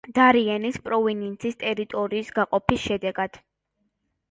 დარიენის პროვინციის ტერიტორიის გაყოფის შედეგად.